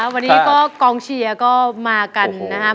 วันนี้ก็กองเชียร์ก็มากันนะครับ